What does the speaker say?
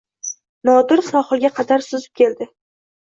Nodir sohilga qadar suzib keldi